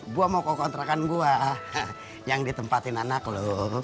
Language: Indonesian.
gue mau ke kontrakan gue yang ditempatin anak loh